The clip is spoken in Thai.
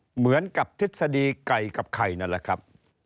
เหมือนกับทฤษฎีไก่กับไข่นั่นแหละครับ